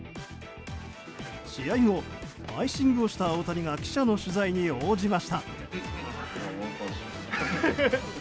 試合後、アイシングをした大谷が記者の取材に応じました。